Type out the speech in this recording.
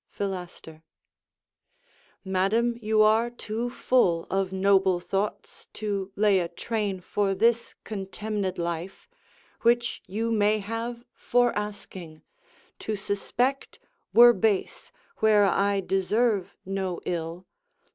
Philaster Madam, you are too full of noble thoughts To lay a train for this contemnèd life, Which you may have for asking: to suspect Were base, where I deserve no ill.